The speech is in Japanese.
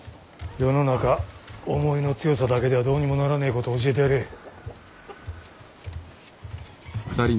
世の中思いの強さだけではどうにもならねえことを教えてやれ。